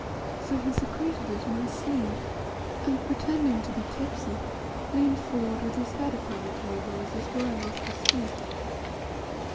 So he secreted it in his sleeve, and, pretending to be tipsy, 6 leaned forward with his head upon the table as if going off to sleep.